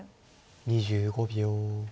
２５秒。